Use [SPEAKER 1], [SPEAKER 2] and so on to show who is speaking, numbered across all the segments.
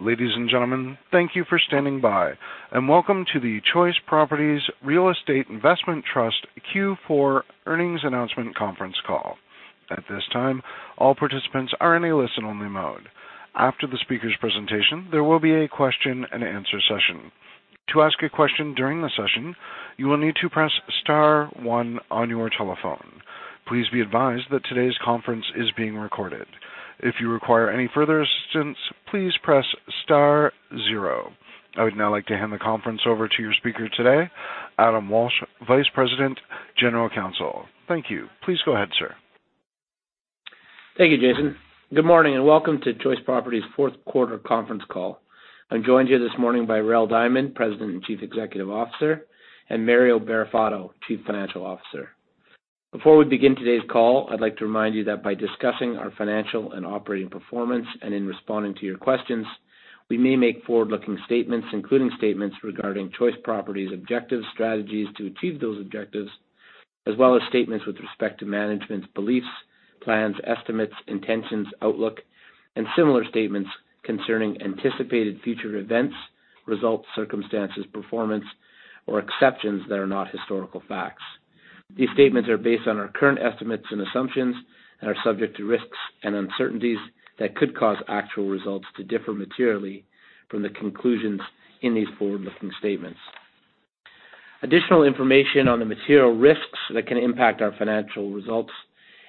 [SPEAKER 1] Ladies and gentlemen, thank you for standing by, and Welcome to the Choice Properties Real Estate Investment Trust Q4 Earnings Announcement Conference Call. At this time, all participants are in a listen-only mode. After the speaker's presentation, there will be a question and answer session. To ask a question during the session, you will need to press star one on your telephone. Please be advised that today's conference is being recorded. If you require any further assistance, please press star zero. I would now like to hand the conference over to your speaker today, Adam Walsh, Vice President, General Counsel. Thank you. Please go ahead, sir.
[SPEAKER 2] Thank you, Jason. Good morning, and Welcome to Choice Properties' fourth quarter conference call. I'm joined here this morning by Rael Diamond, President and Chief Executive Officer, and Mario Barrafato, Chief Financial Officer. Before we begin today's call, I'd like to remind you that by discussing our financial and operating performance, and in responding to your questions, we may make forward-looking statements, including statements regarding Choice Properties objectives, strategies to achieve those objectives, as well as statements with respect to management's beliefs, plans, estimates, intentions, outlook, and similar statements concerning anticipated future events, results, circumstances, performance, or exceptions that are not historical facts. These statements are based on our current estimates and assumptions and are subject to risks and uncertainties that could cause actual results to differ materially from the conclusions in these forward-looking statements. Additional information on the material risks that can impact our financial results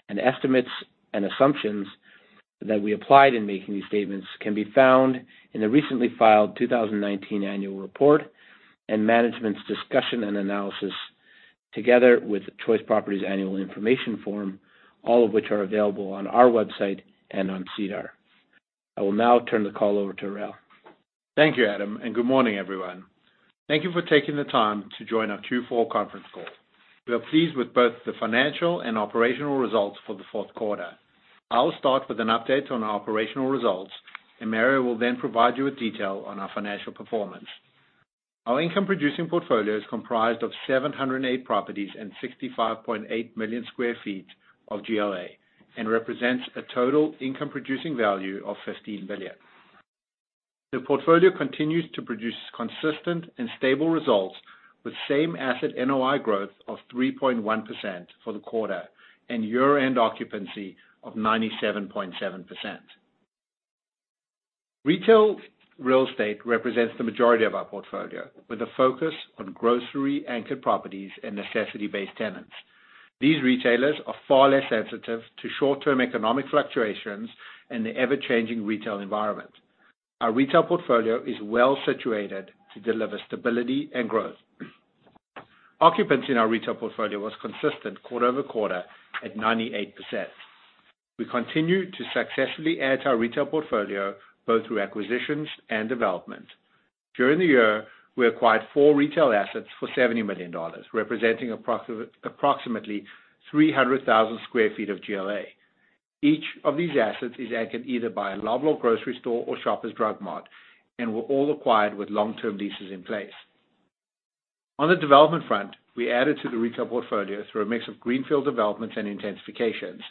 [SPEAKER 2] and estimates and assumptions that we applied in making these statements can be found in the recently filed 2019 Annual Report and Management's Discussion and Analysis, together with Choice Properties Annual Information Form, all of which are available on our website and on SEDAR. I will now turn the call over to Rael.
[SPEAKER 3] Thank you, Adam, and good morning, everyone. Thank you for taking the time to join our Q4 conference call. We are pleased with both the financial and operational results for the fourth quarter. I will start with an update on our operational results, and Mario will then provide you with detail on our financial performance. Our income-producing portfolio is comprised of 708 properties and 65.8 million sq ft of GLA and represents a total income-producing value of 15 billion. The portfolio continues to produce consistent and stable results with same asset NOI growth of 3.1% for the quarter and year-end occupancy of 97.7%. Retail real estate represents the majority of our portfolio, with a focus on grocery-anchored properties and necessity-based tenants. These retailers are far less sensitive to short-term economic fluctuations and the ever-changing retail environment. Our retail portfolio is well situated to deliver stability and growth. Occupancy in our retail portfolio was consistent quarter-over-quarter at 98%. We continue to successfully add to our retail portfolio, both through acquisitions and development. During the year, we acquired four retail assets for 70 million dollars, representing approximately 300,000 sq ft of GLA. Each of these assets is anchored either by a Loblaw grocery store or Shoppers Drug Mart and were all acquired with long-term leases in place. On the development front, we added to the retail portfolio through a mix of greenfield developments and intensifications.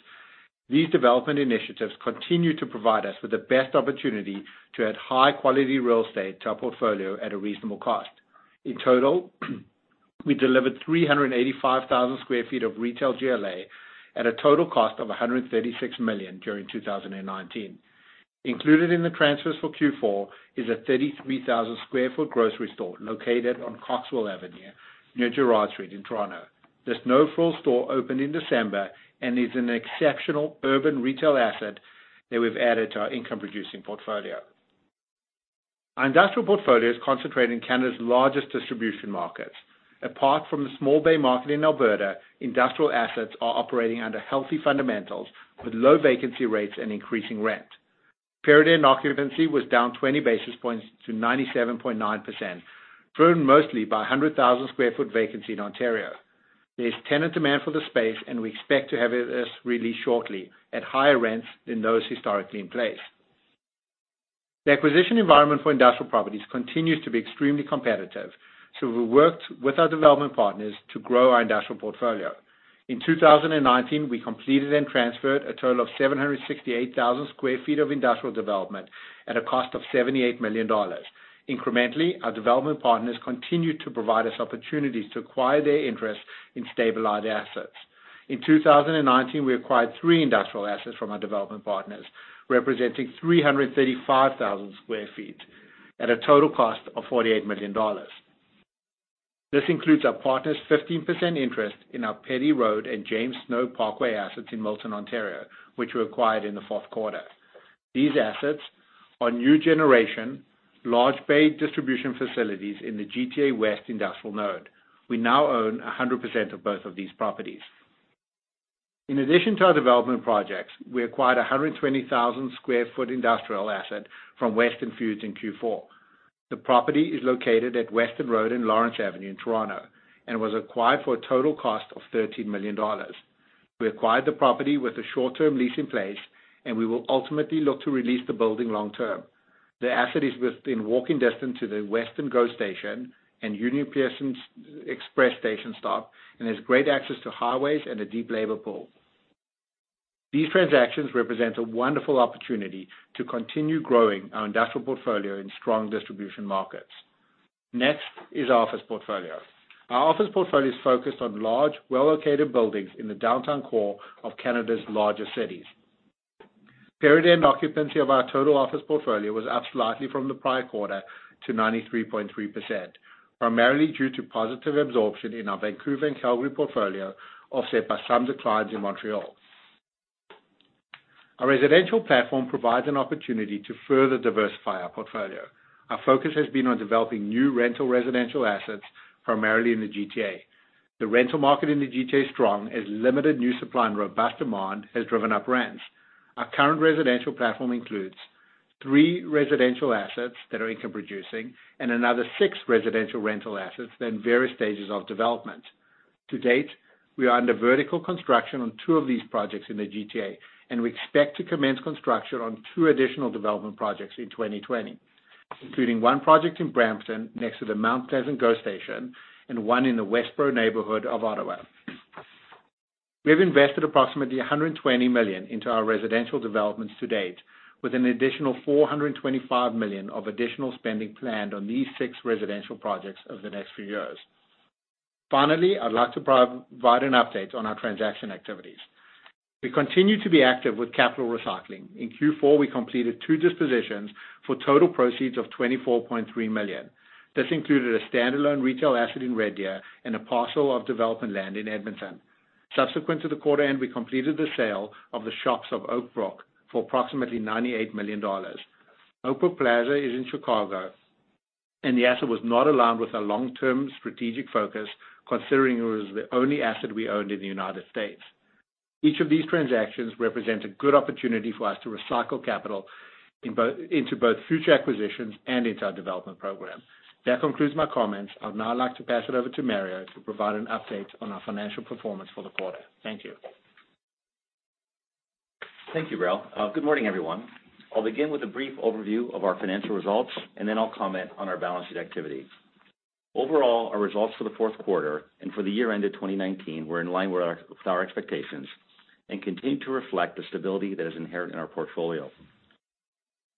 [SPEAKER 3] These development initiatives continue to provide us with the best opportunity to add high-quality real estate to our portfolio at a reasonable cost. In total, we delivered 385,000 sq ft of retail GLA at a total cost of 136 million during 2019. Included in the transfers for Q4 is a 33,000 sq ft grocery store located on Coxwell Avenue near Gerrard Street in Toronto. This NoFrills store opened in December and is an exceptional urban retail asset that we've added to our income-producing portfolio. Our industrial portfolio is concentrated in Canada's largest distribution markets. Apart from the small bay market in Alberta, industrial assets are operating under healthy fundamentals with low vacancy rates and increasing rent. Period-end occupancy was down 20 basis points to 97.9%, driven mostly by 100,000 sq ft vacancy in Ontario. There's tenant demand for the space, and we expect to have it as re-leased shortly at higher rents than those historically in place. The acquisition environment for industrial properties continues to be extremely competitive, so we worked with our development partners to grow our industrial portfolio. In 2019, we completed and transferred a total of 768,000 sq ft of industrial development at a cost of 78 million dollars. Incrementally, our development partners continued to provide us opportunities to acquire their interest in stabilized assets. In 2019, we acquired three industrial assets from our development partners, representing 335,000 sq ft at a total cost of 48 million dollars. This includes our partner's 15% interest in our Peddie Road and James Snow Parkway assets in Milton, Ontario, which we acquired in the fourth quarter. These assets are new generation, large bay distribution facilities in the GTA West industrial node. We now own 100% of both of these properties. In addition to our development projects, we acquired 120,000 sq ft industrial asset from Weston Foods in Q4. The property is located at Weston Road and Lawrence Avenue in Toronto and was acquired for a total cost of 13 million dollars. We acquired the property with a short-term lease in place, and we will ultimately look to release the building long-term. The asset is within walking distance to the Weston GO Station and Union Pearson Express Station stop and has great access to highways and a deep labor pool. These transactions represent a wonderful opportunity to continue growing our industrial portfolio in strong distribution markets. Next is our office portfolio. Our office portfolio is focused on large, well-located buildings in the downtown core of Canada's largest cities. Period-end occupancy of our total office portfolio was up slightly from the prior quarter to 93.3%, primarily due to positive absorption in our Vancouver and Calgary portfolio, offset by some declines in Montreal. Our residential platform provides an opportunity to further diversify our portfolio. Our focus has been on developing new rental residential assets, primarily in the GTA. The rental market in the GTA is strong, as limited new supply and robust demand has driven up rents. Our current residential platform includes three residential assets that are income producing and another six residential rental assets that are in various stages of development. To date, we are under vertical construction on two of these projects in the GTA, and we expect to commence construction on two additional development projects in 2020, including one project in Brampton next to the Mount Pleasant GO Station and one in the Westboro neighborhood of Ottawa. We have invested approximately 120 million into our residential developments to date, with an additional 425 million of additional spending planned on these six residential projects over the next few years. Finally, I'd like to provide an update on our transaction activities. We continue to be active with capital recycling. In Q4, we completed two dispositions for total proceeds of 24.3 million. This included a standalone retail asset in Red Deer and a parcel of development land in Edmonton. Subsequent to the quarter end, we completed the sale of The Shops at Oak Brook for approximately 98 million dollars. The Shops at Oak Brook is in Chicago, and the asset was not aligned with our long-term strategic focus, considering it was the only asset we owned in the U.S. Each of these transactions represent a good opportunity for us to recycle capital into both future acquisitions and into our development program. That concludes my comments. I would now like to pass it over to Mario to provide an update on our financial performance for the quarter. Thank you.
[SPEAKER 4] Thank you, Rael. Good morning, everyone. I'll begin with a brief overview of our financial results, and then I'll comment on our balancing activity. Overall, our results for the fourth quarter and for the year ended 2019 were in line with our expectations and continue to reflect the stability that is inherent in our portfolio.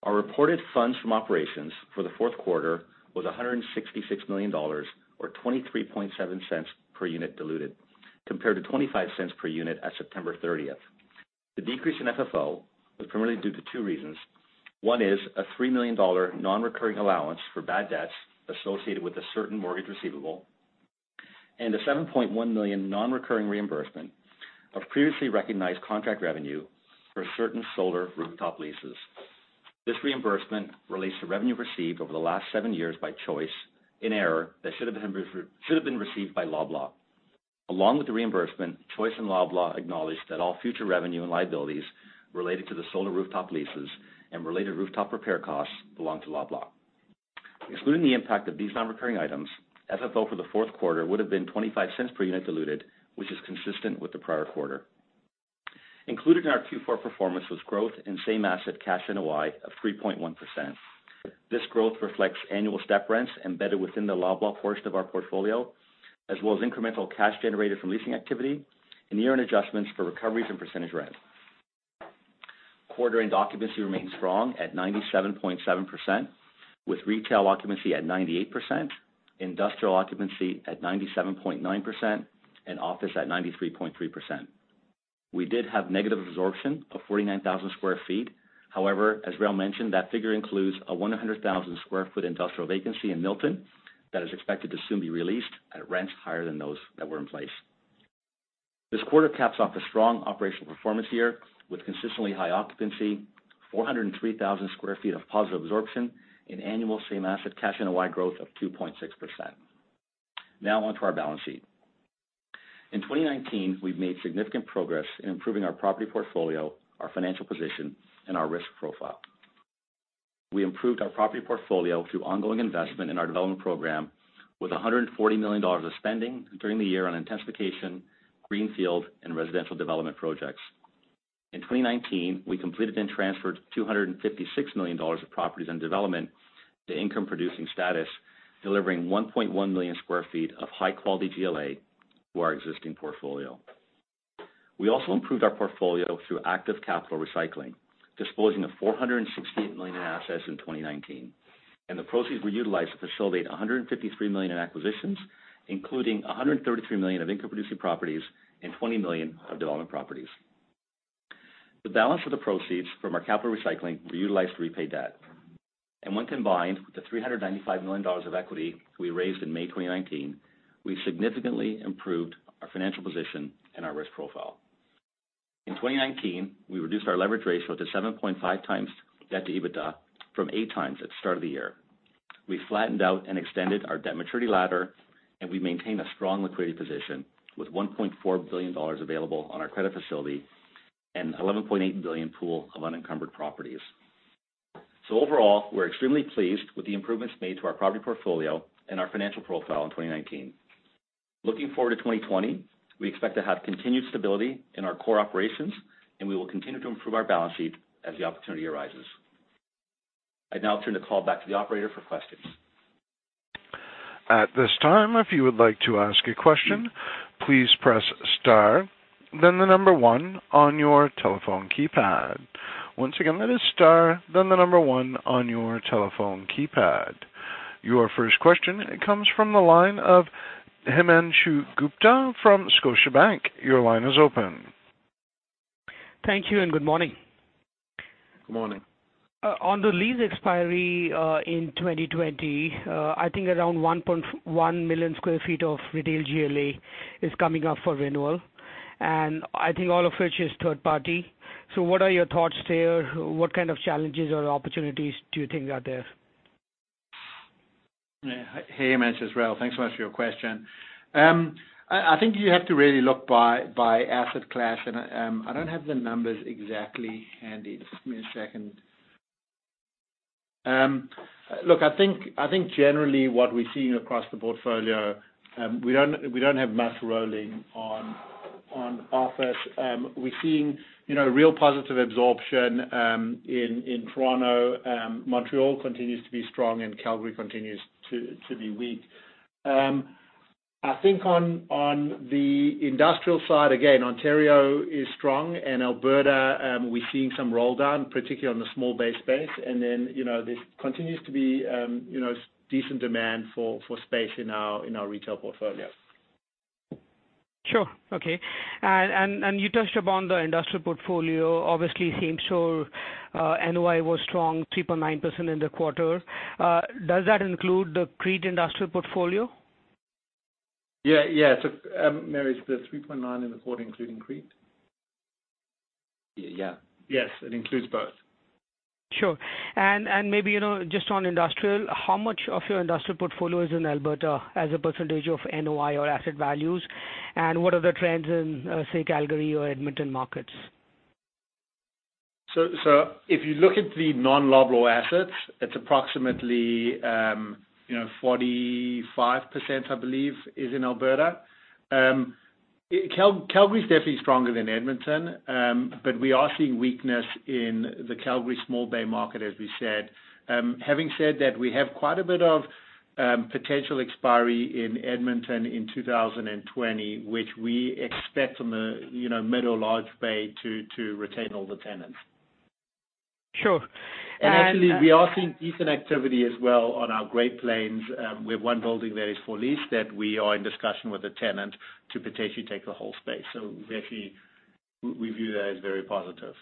[SPEAKER 4] Our reported funds from operations for the fourth quarter was 166 million dollars, or 0.237 per unit diluted, compared to 0.25 per unit at September 30th. The decrease in FFO was primarily due to two reasons. One is a 3 million dollar non-recurring allowance for bad debts associated with a certain mortgage receivable, and a 7.1 million non-recurring reimbursement of previously recognized contract revenue for certain solar rooftop leases. This reimbursement relates to revenue received over the last seven years by Choice in error that should have been received by Loblaw. Along with the reimbursement, Choice and Loblaw acknowledged that all future revenue and liabilities related to the solar rooftop leases and related rooftop repair costs belong to Loblaw. Excluding the impact of these non-recurring items, FFO for the fourth quarter would have been 0.25 per unit diluted, which is consistent with the prior quarter. Included in our Q4 performance was growth in same asset cash NOI of 3.1%. This growth reflects annual step rents embedded within the Loblaw portion of our portfolio, as well as incremental cash generated from leasing activity and year-end adjustments for recoveries and percentage rent. Quarter-end occupancy remains strong at 97.7%, with retail occupancy at 98%, industrial occupancy at 97.9%, and office at 93.3%. We did have negative absorption of 49,000 sq ft. However, as Rael mentioned, that figure includes a 100,000 sq ft industrial vacancy in Milton that is expected to soon be re-leased at rents higher than those that were in place. This quarter caps off a strong operational performance year with consistently high occupancy, 403,000 sq ft of positive absorption and annual same asset cash NOI growth of 2.6%. On to our balance sheet. In 2019, we've made significant progress in improving our property portfolio, our financial position, and our risk profile. We improved our property portfolio through ongoing investment in our development program with 140 million dollars of spending during the year on intensification, greenfield, and residential development projects. In 2019, we completed and transferred 256 million dollars of properties under development to income-producing status, delivering 1.1 million sq ft of high-quality GLA to our existing portfolio. We also improved our portfolio through active capital recycling, disposing of 468 million in assets in 2019. The proceeds were utilized to facilitate 153 million in acquisitions, including 133 million of income-producing properties and 20 million of development properties. The balance of the proceeds from our capital recycling were utilized to repay debt. When combined with the 395 million dollars of equity we raised in May 2019, we significantly improved our financial position and our risk profile. In 2019, we reduced our leverage ratio to 7.5x debt to EBITDA from 8x at the start of the year. We flattened out and extended our debt maturity ladder, and we maintained a strong liquidity position with 1.4 billion dollars available on our credit facility and 11.8 billion pool of unencumbered properties. Overall, we're extremely pleased with the improvements made to our property portfolio and our financial profile in 2019. Looking forward to 2020, we expect to have continued stability in our core operations, and we will continue to improve our balance sheet as the opportunity arises. I'd now turn the call back to the operator for questions.
[SPEAKER 1] At this time, if you would like to ask a question, please press star, then the number one on your telephone keypad. Once again, that is star, then the number one on your telephone keypad. Your 1st question comes from the line of Himanshu Gupta from Scotiabank. Your line is open.
[SPEAKER 5] Thank you and good morning.
[SPEAKER 3] Good morning.
[SPEAKER 5] On the lease expiry, in 2020, I think around 1.1 million sq ft of retail GLA is coming up for renewal, and I think all of which is third party. What are your thoughts there? What kind of challenges or opportunities do you think are there?
[SPEAKER 3] Hey, Himanshu. It's Rael. Thanks so much for your question. I think you have to really look by asset class and I don't have the numbers exactly handy. Just give me a second. I think generally what we're seeing across the portfolio, we don't have much rolling on office. We're seeing real positive absorption in Toronto. Montreal continues to be strong and Calgary continues to be weak. I think on the industrial side, again, Ontario is strong and Alberta, we're seeing some roll down, particularly on the small bay space. There continues to be decent demand for space in our retail portfolio.
[SPEAKER 5] Sure. Okay. You touched upon the industrial portfolio, obviously same store, NOI was strong, 3.9% in the quarter. Does that include the CREIT industrial portfolio?
[SPEAKER 3] Yeah. Mario, is the 3.9 in the quarter including CREIT?
[SPEAKER 4] Yeah.
[SPEAKER 3] Yes. It includes both.
[SPEAKER 5] Sure. Maybe, just on industrial, how much of your industrial portfolio is in Alberta as a percentage of NOI or asset values, and what are the trends in, say, Calgary or Edmonton markets?
[SPEAKER 3] If you look at the non-Loblaw assets, it's approximately 45%, I believe, is in Alberta. Calgary is definitely stronger than Edmonton. We are seeing weakness in the Calgary small bay market, as we said. Having said that, we have quite a bit of potential expiry in Edmonton in 2020, which we expect on the middle large bay to retain all the tenants.
[SPEAKER 5] Sure.
[SPEAKER 3] Actually, we are seeing decent activity as well on our Great Plains. We have one building there is for lease that we are in discussion with the tenant to potentially take the whole space. We actually view that as very positive.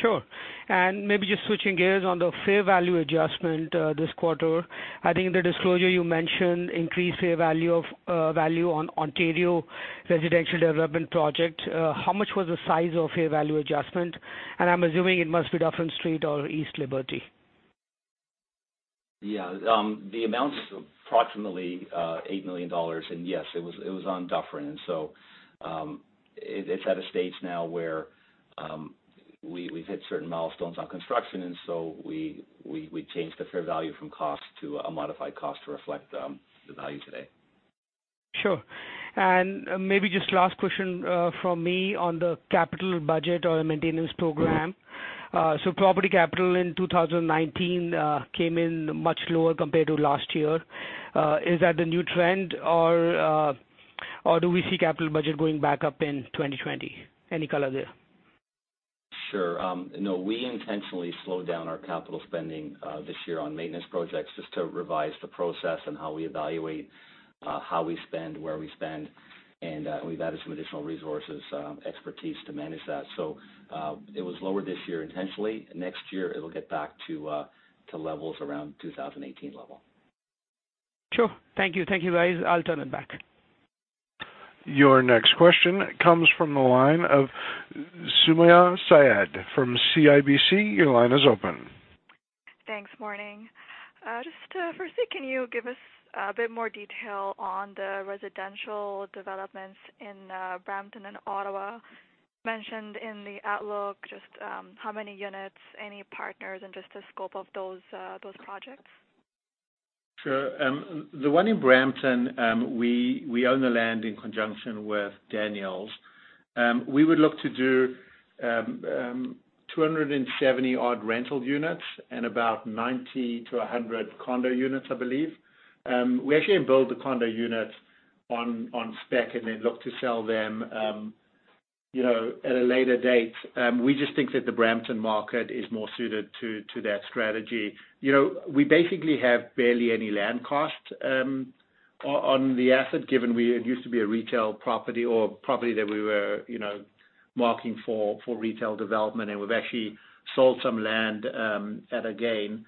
[SPEAKER 5] Sure. Maybe just switching gears on the fair value adjustment, this quarter. I think in the disclosure you mentioned increased fair value on Ontario residential development project. How much was the size of fair value adjustment? I'm assuming it must be Dufferin Street or East Liberty.
[SPEAKER 4] The amount is approximately 8 million dollars. Yes, it was on Dufferin. It's at a stage now where we've hit certain milestones on construction, and so we changed the fair value from cost to a modified cost to reflect the value today.
[SPEAKER 5] Sure. Maybe just last question from me on the capital budget or the maintenance program. Property capital in 2019 came in much lower compared to last year. Is that the new trend or do we see capital budget going back up in 2020? Any color there?
[SPEAKER 4] Sure. No, we intentionally slowed down our capital spending this year on maintenance projects just to revise the process and how we evaluate, how we spend, where we spend, and we've added some additional resources, expertise to manage that. It was lower this year intentionally. Next year it'll get back to levels around 2018 level.
[SPEAKER 5] Sure. Thank you. Thank you, guys. I'll turn it back.
[SPEAKER 1] Your next question comes from the line of Sumayya Syed from CIBC. Your line is open.
[SPEAKER 6] Thanks. Morning. Just to 1st say, can you give us a bit more detail on the residential developments in Brampton and Ottawa? Mentioned in the outlook, just how many units, any partners, and just the scope of those projects?
[SPEAKER 3] Sure. The one in Brampton, we own the land in conjunction with Daniels. We would look to do 270 odd rental units and about 90-100 condo units, I believe. We actually build the condo units on spec and then look to sell them at a later date. We just think that the Brampton market is more suited to that strategy. We basically have barely any land cost on the asset given it used to be a retail property or property that we were marking for retail development, and we've actually sold some land at a gain.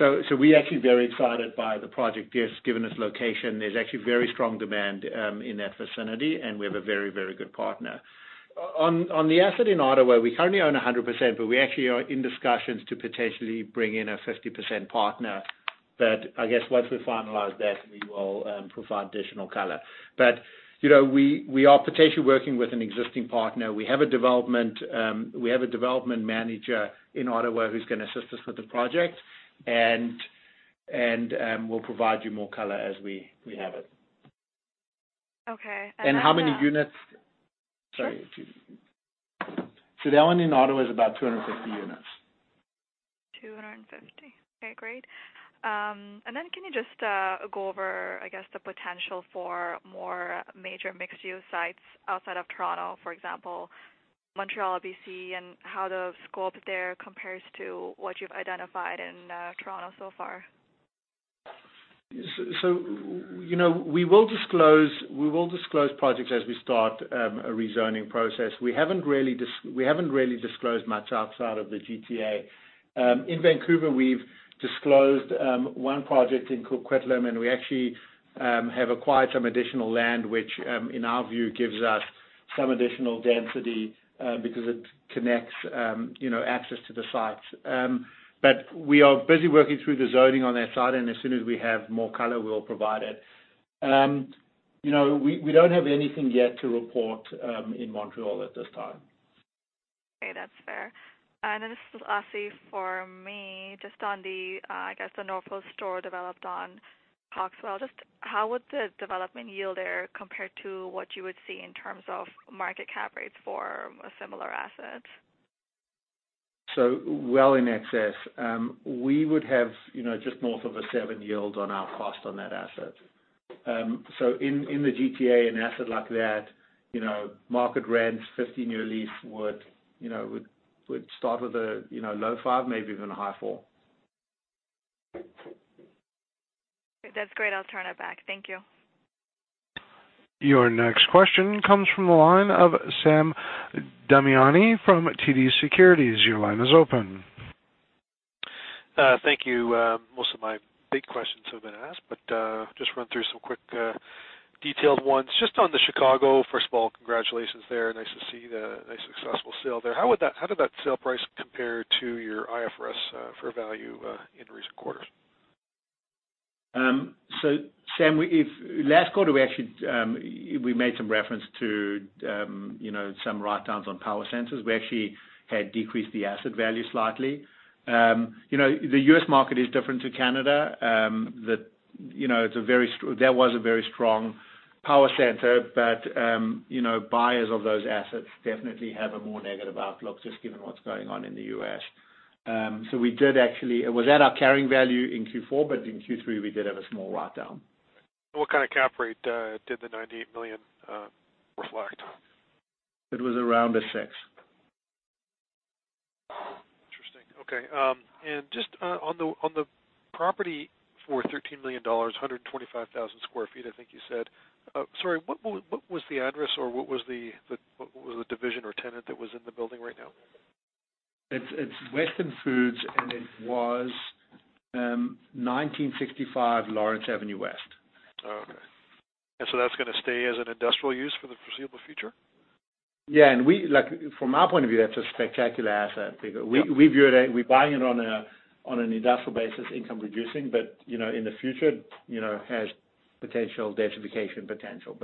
[SPEAKER 3] We're actually very excited by the project, just given its location. There's actually very strong demand in that vicinity, and we have a very good partner. On the asset in Ottawa, we currently own 100%, but we actually are in discussions to potentially bring in a 50% partner. I guess once we finalize that, we will provide additional color. We are potentially working with an existing partner. We have a development manager in Ottawa who's going to assist us with the project, and we'll provide you more color as we have it.
[SPEAKER 6] Okay.
[SPEAKER 3] How many units? Sorry, excuse me. The one in Ottawa is about 250 units.
[SPEAKER 6] 250. Okay, great. Then can you just go over, I guess, the potential for more major mixed-use sites outside of Toronto, for example, Montreal, B.C., and how the scope there compares to what you've identified in Toronto so far?
[SPEAKER 3] We will disclose projects as we start a rezoning process. We haven't really disclosed much outside of the GTA. In Vancouver, we've disclosed one project in Coquitlam, and we actually have acquired some additional land, which, in our view, gives us some additional density because it connects access to the site. We are busy working through the zoning on that site, and as soon as we have more color, we'll provide it. We don't have anything yet to report in Montreal at this time.
[SPEAKER 6] Okay, that's fair. This is Asi. For me, just on the, I guess, the NoFrills store developed on Coxwell. Just how would the development yield there compared to what you would see in terms of market cap rates for a similar asset?
[SPEAKER 3] Well in excess. We would have just north of a 7% yield on our cost on that asset. In the GTA, an asset like that, market rents, 15-year lease would start with a low 5%, maybe even a high 4%.
[SPEAKER 6] That's great. I'll turn it back. Thank you.
[SPEAKER 1] Your next question comes from the line of Sam Damiani from TD Securities. Your line is open.
[SPEAKER 7] Thank you. Most of my big questions have been asked, but just run through some quick detailed ones. Just on the Chicago, first of all, congratulations there. Nice to see the nice successful sale there. How did that sale price compare to your IFRS for value in recent quarters?
[SPEAKER 3] Sam, last quarter, we actually made some reference to some write-downs on power centers. We actually had decreased the asset value slightly. The U.S. market is different to Canada. That was a very strong power center, but buyers of those assets definitely have a more negative outlook, just given what's going on in the U.S. We did actually It was at our carrying value in Q4, but in Q3, we did have a small write-down.
[SPEAKER 7] What kind of cap rate did the 98 million reflect?
[SPEAKER 3] It was around a six.
[SPEAKER 7] Interesting. Okay. Just on the property for 13 million dollars, 125,000 sq ft, I think you said. Sorry, what was the address, or what was the division or tenant that was in the building right now?
[SPEAKER 3] It's Weston Foods, and it was 1965 Lawrence Avenue West.
[SPEAKER 7] Oh, okay. That's going to stay as an industrial use for the foreseeable future?
[SPEAKER 3] Yeah. From our point of view, that's a spectacular asset. We're buying it on an industrial basis, income producing, but in the future, has potential densification potential.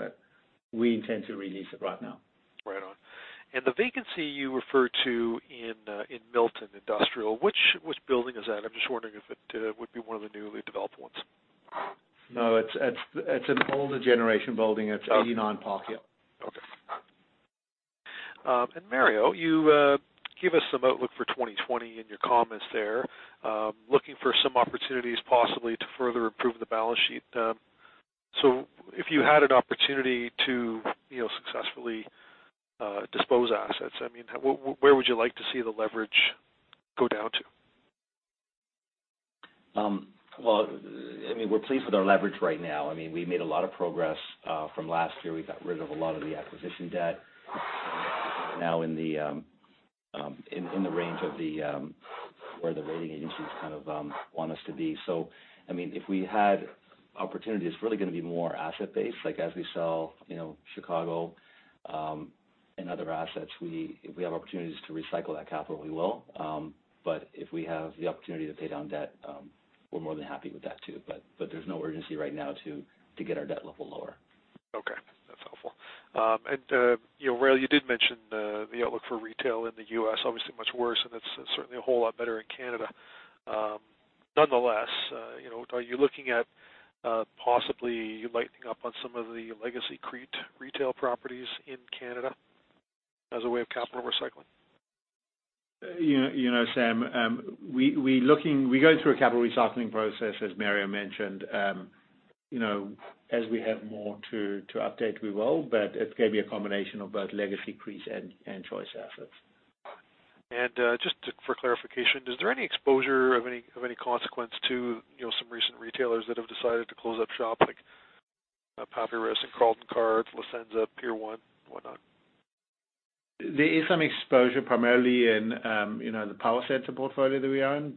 [SPEAKER 3] We intend to re-lease it right now.
[SPEAKER 7] Right on. The vacancy you referred to in Milton industrial, which building is that? I'm just wondering if it would be one of the newly developed ones.
[SPEAKER 3] No, it's an older generation building. It's 89 Park. Yeah.
[SPEAKER 7] Okay. Mario, you gave us some outlook for 2020 in your comments there. Looking for some opportunities possibly to further improve the balance sheet. If you had an opportunity to successfully dispose assets, I mean, where would you like to see the leverage go down to?
[SPEAKER 4] Well, I mean, we're pleased with our leverage right now. We made a lot of progress from last year. We got rid of a lot of the acquisition debt. Now in the range of where the rating agencies kind of want us to be. If we had opportunities, it's really going to be more asset-based, like as we sell Chicago, and other assets. If we have opportunities to recycle that capital, we will. If we have the opportunity to pay down debt, we're more than happy with that too. There's no urgency right now to get our debt level lower.
[SPEAKER 7] Okay. That's helpful. Rael, you did mention the outlook for retail in the U.S., obviously much worse, and it's certainly a whole lot better in Canada. Nonetheless, are you looking at possibly lightening up on some of the legacy CREIT retail properties in Canada as a way of capital recycling?
[SPEAKER 3] Sam, we're going through a capital recycling process, as Mario mentioned. As we have more to update, we will, but it's going to be a combination of both legacy CREIT and Choice assets.
[SPEAKER 7] Just for clarification, is there any exposure of any consequence to some recent retailers that have decided to close up shop, like Papyrus and Carlton Cards, La Senza, Pier 1, whatnot?
[SPEAKER 3] There is some exposure, primarily in the power center portfolio that we own.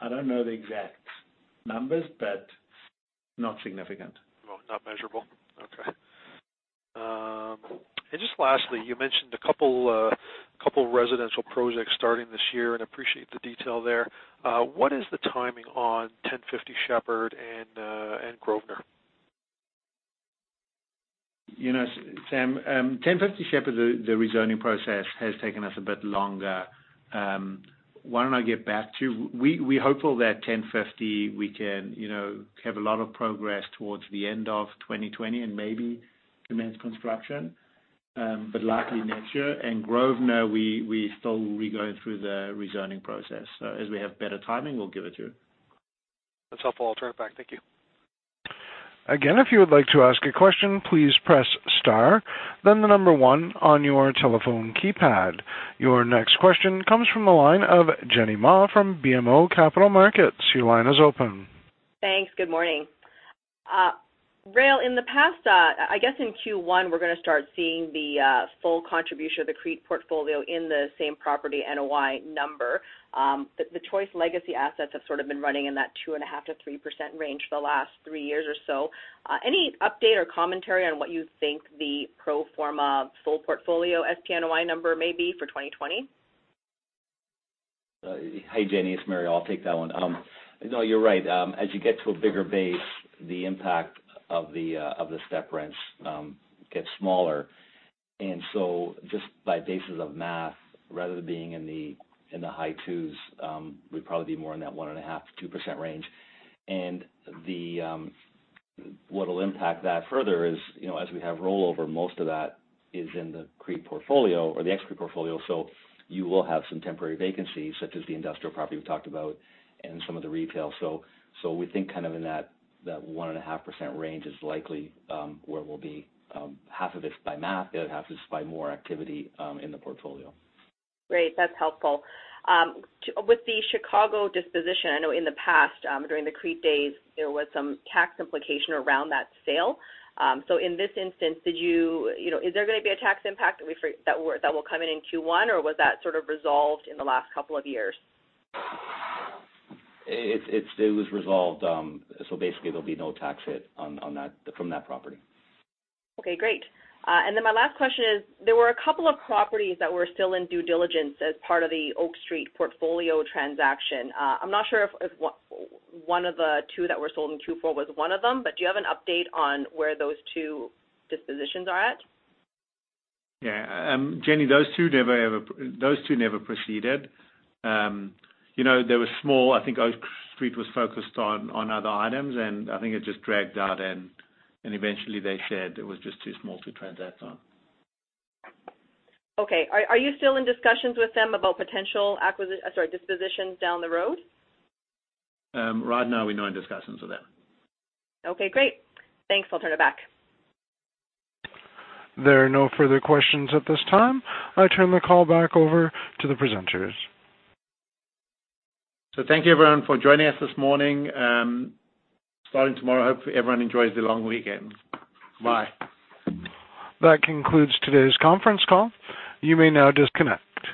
[SPEAKER 3] I don't know the exact numbers, but not significant.
[SPEAKER 7] Well, not measurable. Okay. Just lastly, you mentioned a couple residential projects starting this year, and appreciate the detail there. What is the timing on 1050 Sheppard and Grosvenor?
[SPEAKER 3] Sam, 1050 Sheppard, the rezoning process has taken us a bit longer. Why don't I get back to you? We're hopeful that 1050, we can have a lot of progress towards the end of 2020 and maybe commence construction. Likely next year. Grosvenor, we're still re-going through the rezoning process. As we have better timing, we'll give it to you.
[SPEAKER 7] That's helpful. I'll turn it back. Thank you.
[SPEAKER 1] Again, if you would like to ask a question, please press star, then the number one on your telephone keypad. Your next question comes from the line of Jenny Ma from BMO Capital Markets. Your line is open.
[SPEAKER 8] Thanks. Good morning. Rael, in the past, I guess in Q1, we're going to start seeing the full contribution of the CREIT portfolio in the same property NOI number. The Choice legacy assets have sort of been running in that 2.5%-3% range for the last three years or so. Any update or commentary on what you think the pro forma full portfolio SPNOI number may be for 2020?
[SPEAKER 4] Hey, Jenny, it's Mario. I'll take that one. You're right. As you get to a bigger base, the impact of the step rents gets smaller. Just by basis of math, rather than being in the high twos, we'd probably be more in that 1.5%-2% range. What'll impact that further is, as we have rollover, most of that is in the CREIT portfolio or the ex-CREIT portfolio, so you will have some temporary vacancies, such as the industrial property we talked about and some of the retail. We think kind of in that 1.5% range is likely where we'll be half of it's by math, the other half is by more activity in the portfolio.
[SPEAKER 8] Great. That's helpful. With the Chicago disposition, I know in the past, during the CREIT days, there was some tax implication around that sale. In this instance, is there going to be a tax impact that will come in in Q1, or was that sort of resolved in the last couple of years?
[SPEAKER 4] It was resolved, basically there'll be no tax hit from that property.
[SPEAKER 8] Okay, great. My last question is, there were a couple of properties that were still in due diligence as part of the Oak Street portfolio transaction. I'm not sure if one of the two that were sold in Q4 was one of them, do you have an update on where those two dispositions are at?
[SPEAKER 3] Yeah. Jenny, those two never proceeded. They were small. I think Oak Street was focused on other items, and I think it just dragged out and eventually they said it was just too small to transact on.
[SPEAKER 8] Okay. Are you still in discussions with them about potential dispositions down the road?
[SPEAKER 3] Right now, we're not in discussions with them.
[SPEAKER 8] Okay, great. Thanks. I'll turn it back.
[SPEAKER 1] There are no further questions at this time. I turn the call back over to the presenters.
[SPEAKER 3] Thank you everyone for joining us this morning. Starting tomorrow, hopefully everyone enjoys the long weekend. Bye.
[SPEAKER 1] That concludes today's conference call. You may now disconnect.